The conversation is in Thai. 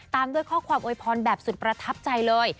ตามด้วยข้อความโวยพรแบบสุดประทับใจเลย